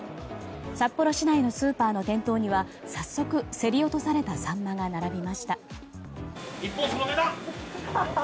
札幌市内のスーパーの店頭には早速、競り落とされたサンマが並びました。